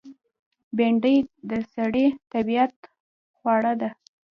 بېنډۍ د سړي طبیعت خوړه ده